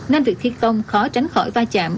nên việc thi công khó tránh khỏi va chạm